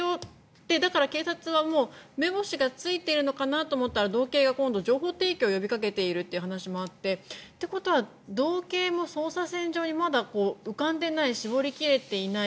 だから、警察はもう、目星がついているのかなと思ったら道警が今度は情報提供を呼びかけているという話もあってということは道警も捜査線上にまだ浮かんでいない絞り切れていない。